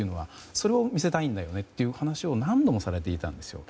それを見せたいんだよねという話を何度もされていたんですよね。